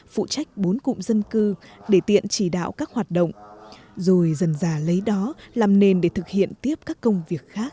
phụ trách bốn cụm dân cư để tiện chỉ đạo các hoạt động rồi dần già lấy đó làm nền để thực hiện tiếp các công việc khác